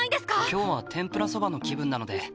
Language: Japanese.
今日は天ぷらそばの気分なので。